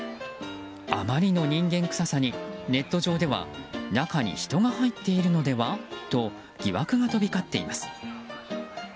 あまりの人間臭さにネット上では中に人が入っているのではと疑惑が飛び交っています。